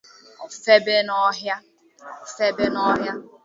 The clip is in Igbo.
o feba n’ọhịa